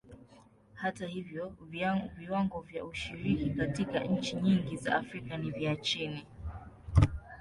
Hata hivyo, viwango vya ushiriki katika nchi nyingi za Afrika ni vya chini.